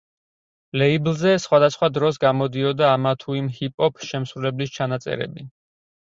ლეიბლზე სხვადასხვა დროს გამოდიოდა ამა თუ იმ ჰიპ-ჰოპ შემსრულებლის ჩანაწერები.